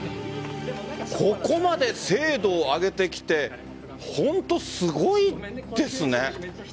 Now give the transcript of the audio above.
ここまで精度を上げてきて本当、すごいですね。